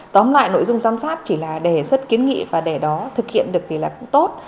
tóm lại nội dung giám sát chỉ là đề xuất kiến nghị và để đó thực hiện được thì là cũng tốt